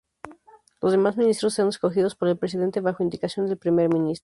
Los demás ministros son escogidos por el presidente bajo indicación del primer ministro.